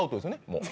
もう。